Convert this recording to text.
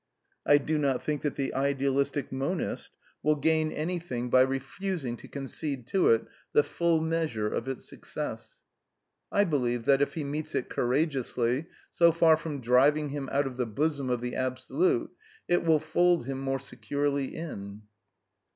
I do not think that the idealistic moni^t will gain any 182 A DEFENCE OF IDEALISM thing by refusing to concede to it the full measure of its success. I believe that, if he meets it courageously, so far from driving him out of the bosom of the Absolute, it will fold him more securely in.